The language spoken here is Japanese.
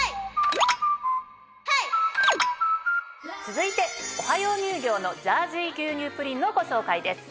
続いてオハヨー乳業のジャージー牛乳プリンのご紹介です。